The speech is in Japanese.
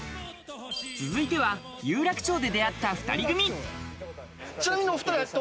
続いては有楽町で出会った２人組。